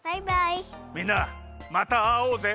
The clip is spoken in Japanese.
みんなまたあおうぜ！